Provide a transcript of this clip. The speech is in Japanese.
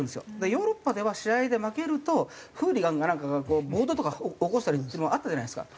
ヨーロッパでは試合で負けるとフーリガンかなんかが暴動とか起こしたりっていうのもあったじゃないですか。